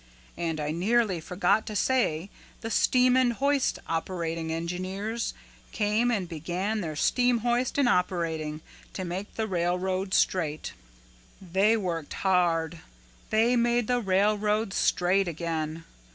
And I nearly forgot to say the steam and hoist operating engineers came and began their steam hoist and operating to make the railroad straight. "They worked hard. They made the railroad straight again.